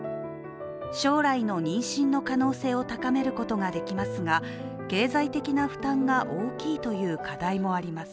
将来の妊娠の可能性を高めることができますが経済的な負担が大きいという課題もあります。